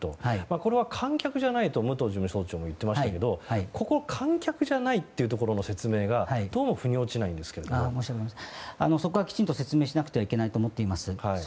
これは観客じゃないと武藤事務総長も言ってましたけどここは、観客じゃないというところの説明がそこはきちんと説明しなくてはいけないと思っています。